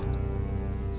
semacam penelitian lapangan